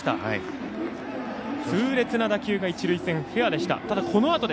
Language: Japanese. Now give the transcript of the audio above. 痛烈な打球が一塁線フェアでした。